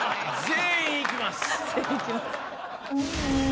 全員いきます。